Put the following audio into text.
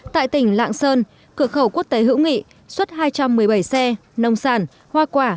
tại tỉnh lạng sơn cửa khẩu quốc tế hữu nghị xuất hai trăm một mươi bảy xe nông sản hoa quả